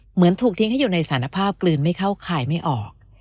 เหมือนถูกทิ้งให้อยู่ในสารภาพกลืนไม่เข้าข่ายไม่ออก